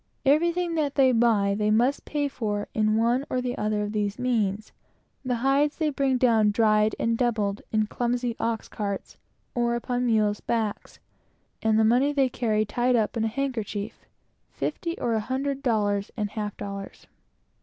Everything that they buy they must pay for in one or the other of these things. The hides they bring down dried and doubled, in clumsy ox carts, or upon mules' backs, and the money they carry tied up in a handkerchief; fifty, eighty, or an hundred dollars and half dollars.